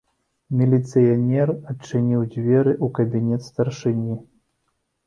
Міліцыянер адчыніў дзверы ў кабінет старшыні.